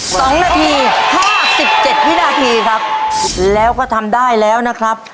๒นาที๕๗วินาทีครับแล้วก็ทำได้แล้วนะครับ